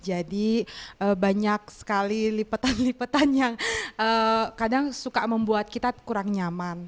jadi banyak sekali lipetan lipetan yang kadang suka membuat kita kurang nyaman